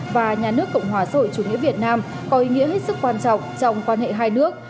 và nhà nước cộng hòa xã hội chủ nghĩa việt nam có ý nghĩa hết sức quan trọng trong quan hệ hai nước